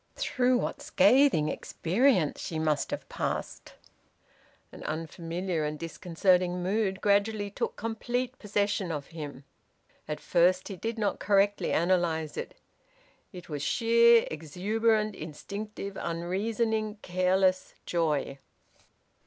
Through what scathing experience she must have passed! An unfamiliar and disconcerting mood gradually took complete possession of him. At first he did not correctly analyse it. It was sheer, exuberant, instinctive, unreasoning, careless joy.